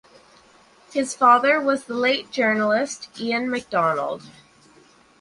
His father was the late journalist Iain Macdonald.